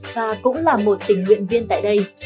và cũng là một tình nguyện viên tại đây